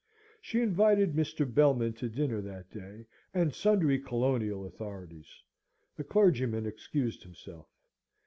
She invited Mr. Belman to dinner that day, and sundry colonial authorities. The clergyman excused himself.